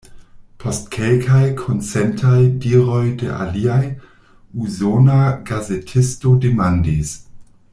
Post kelkaj konsentaj diroj de aliaj, usona gazetisto demandis: